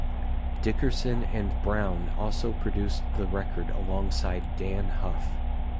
Dickerson and Brown also produced the record alongside Dann Huff.